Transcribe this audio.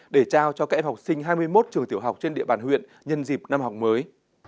để trao cho các em học sinh hai mươi một trường tiểu học trên địa bàn huyện nhân dịp năm học mới